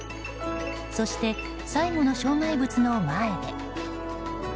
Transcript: そして最後の障害物の前で。